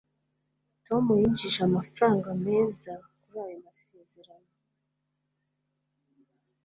Tom yinjije amafaranga meza kuri ayo masezerano